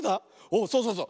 おそうそうそう。